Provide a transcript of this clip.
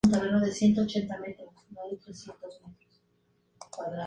Este espacio es el centro de la vida social del corral.